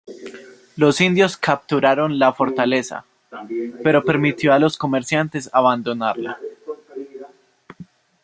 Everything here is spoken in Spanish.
Los indios capturaron la fortaleza, pero permitió a los comerciantes abandonarla.